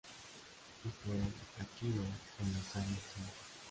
Y por el aikidō en los años treinta.